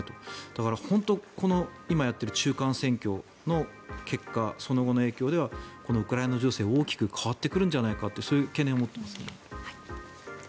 だから本当にこの今やっている中間選挙の結果その後の影響ではこのウクライナ情勢大きく変わってくるんじゃないかというそういう懸念を持っています。